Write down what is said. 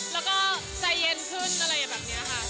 แล้วก็ใจเย็นขึ้นอะไรแบบนี้ค่ะ